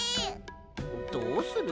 どうする？